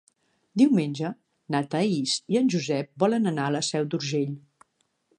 Diumenge na Thaís i en Josep volen anar a la Seu d'Urgell.